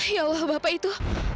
ya allah bapak itu